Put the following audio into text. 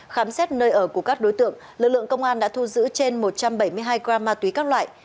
khám xét nơi ở của các đối tượng lực lượng công an đã thu giữ trên một trăm bảy mươi hai gram ma túy các loại